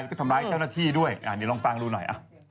แล้วก็ทำร้ายเจ้าหน้าที่ด้วยเดี๋ยวลองฟังดูหน่อย